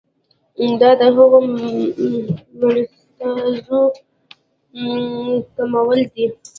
دا د هغو مستلزماتو کمول دي.